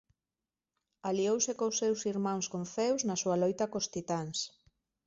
Aliouse cos seus irmáns con Zeus na súa loita cos titáns.